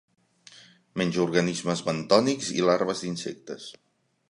Menja organismes bentònics i larves d'insectes.